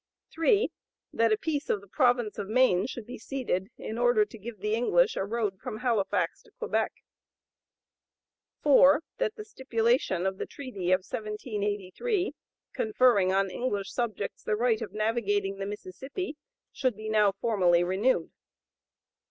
3. That a piece of the province of Maine should be ceded, in order to give the English a road from Halifax to Quebec. 4. That the stipulation of the treaty of 1783, conferring on English subjects the right of navigating the Mississippi, should be now formally renewed.